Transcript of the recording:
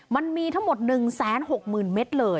มันมีทั้งหมด๑๖๐๐๐เมตรเลย